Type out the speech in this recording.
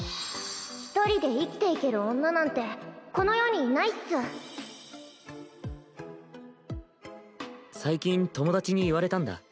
一人で生きていける女なんてこの世にいないっス最近友達に言われたんだ。